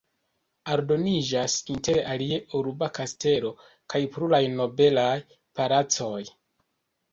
Aldoniĝas inter alie urba kastelo kaj pluraj nobelaj palacoj.